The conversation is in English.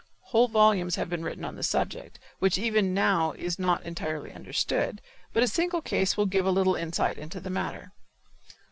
Whole volumes have been written on this subject, which even now is not entirely understood, but a single case will give a little insight into the matter.